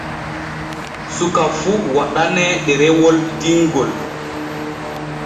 Suka fun waɗaane ɗerewol dingol.